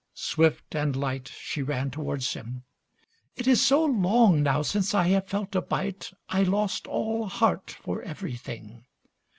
Swift and light She ran towards him. "It is so long now Since I have felt a bite, I lost all heart for everything."